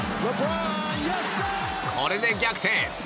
これで逆転！